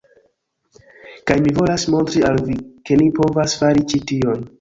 Kaj mi volas montri al vi, ke ni povas fari ĉi tion.